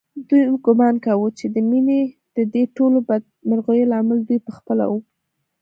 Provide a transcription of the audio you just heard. دوی ګومان کاوه چې د مينې ددې ټولو بدمرغیو لامل دوی په خپله و